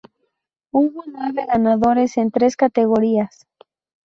Hubo nueve ganadores en tres categorías.